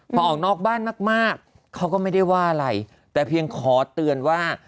พอออกนอกบ้านมากเขาก็ไม่ได้ว่าอะไรแต่เพียงขอเตือนว่า